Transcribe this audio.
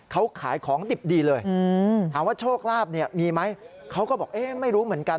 เขาขายของดิบดีเลยถามว่าโชคลาภเนี่ยมีไหมเขาก็บอกเอ๊ะไม่รู้เหมือนกัน